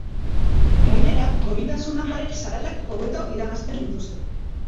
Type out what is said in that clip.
Gainera, goritasun-lanparek zaratak hobeto iragazten dituzte.